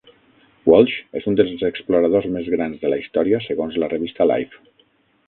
Walsh és un dels exploradors més grans de la història segons la revista "Life".